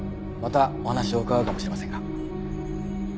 またお話を伺うかもしれませんが。